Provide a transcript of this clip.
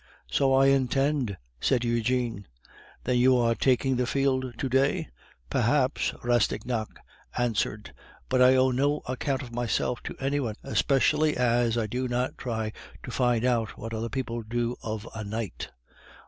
"So I intend," said Eugene. "Then you are taking the field to day?" "Perhaps," Rastignac answered. "But I owe no account of myself to any one, especially as I do not try to find out what other people do of a night."